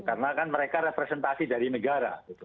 karena kan mereka representasi dari negara